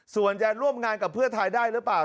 ส่วนจะร่วมงานกับเพื่อไทยได้หรือเปล่า